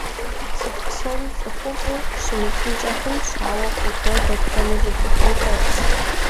Цӏыху псори цӏыхуфӏу щымытынкӏэ хъунщ, ауэ фӏы гуэр дэтхэнэ зы цӏыхуми хэлъщ.